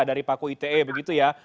dari paku ite begitu ya